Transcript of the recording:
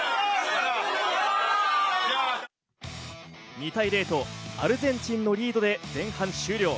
２対０とアルゼンチンのリードで前半終了。